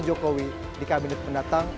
jokowi di kabinet pendatang